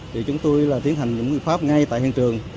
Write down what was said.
thì chúng tôi là tiến hành những quy pháp ngay tại hiện trường